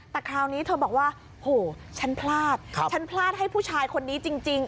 แต่คราวนี้เธอบอกว่าโหฉันพลาดฉันพลาดให้ผู้ชายคนนี้จริง